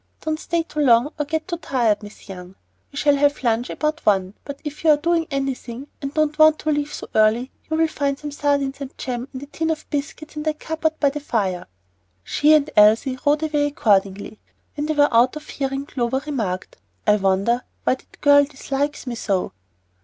Don't stay too long or get too tired, Miss Young. We shall have lunch about one; but if you are doing anything and don't want to leave so early, you'll find some sardines and jam and a tin of biscuits in that cupboard by the fire." She and Elsie rode away accordingly. When they were out of hearing, Clover remarked, "I wonder why that girl dislikes me so."